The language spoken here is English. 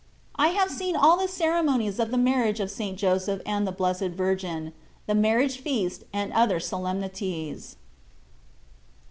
I have seen all the ceremonies of the marriage of St. Joseph and the Blessed Virgin the marriage feast and other solemnities.